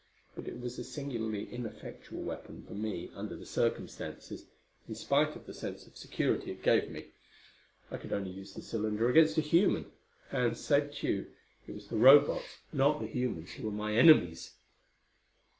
But it was a singularly ineffectual weapon for me under the circumstances, in spite of the sense of security it gave me. I could only use the cylinder against a human and, save Tugh, it was the Robots, not the humans who were my enemies!